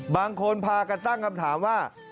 บางคนพากันตั้งคำถามว่า